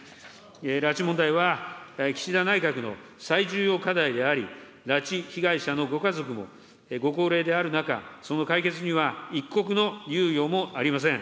拉致問題は、岸田内閣の最重要課題であり、拉致被害者のご家族もご高齢である中、その解決には一刻の猶予もありません。